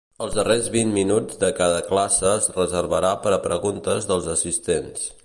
Els darrers vint minuts de cada classe es reservarà per a preguntes dels assistents.